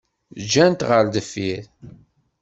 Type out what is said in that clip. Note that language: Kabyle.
Ǧǧan-tt ɣer deffir.